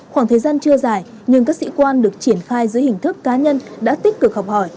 khoảng thời gian chưa dài nhưng các sĩ quan được triển khai dưới hình thức cá nhân đã tích cực học hỏi